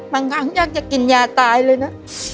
บางครั้งอยากจะกินยาตายเลยนะ